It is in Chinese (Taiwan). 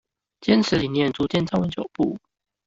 堅持理念，逐漸站穩腳步